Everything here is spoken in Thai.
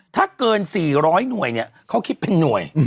ถ้าเกิน๔๐๐หน่วยเนี่ยเขาคิดเป็นหน่วย